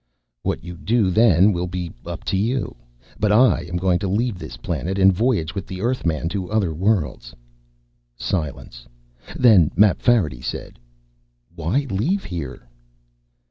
"What you do then will be up to you. But I am going to leave this planet and voyage with the Earthman to other worlds." Silence. Then Mapfarity said, "Why leave here?"